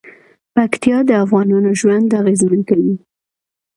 پکتیا د افغانانو ژوند اغېزمن کوي.